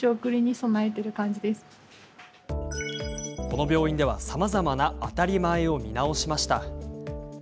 この病院ではさまざまな当たり前を見直しました。